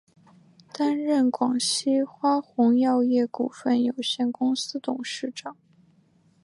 担任广西花红药业股份有限公司董事长。